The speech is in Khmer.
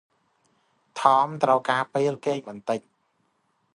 ថម ត្រូវការពេលគេងបន្តិច ។